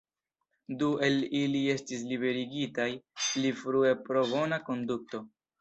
Du el ili estis liberigitaj pli frue pro bona konduto.